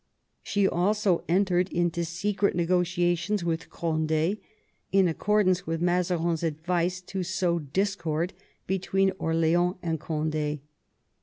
She also entered into secret negotiations with •Cond6, in accordance with Mazarin's advice to sow discord between Orleans and Cond^.